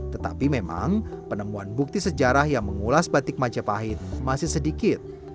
tetapi memang penemuan bukti sejarah yang mengulas batik majapahit masih sedikit